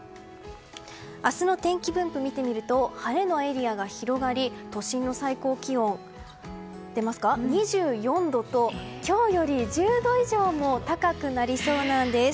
明日の天気分布を見てみると晴れのエリアが広がり都心の最高気温、２４度と今日より１０度以上も高くなりそうなんです。